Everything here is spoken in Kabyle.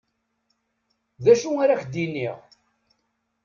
D acu ara k-d-iniɣ.